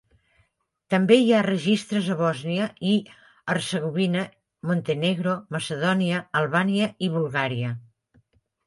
També hi ha registres a Bòsnia i Hercegovina, Montenegro, Macedònia, Albània i Bulgària.